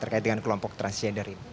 terkait dengan kelompok transgender ini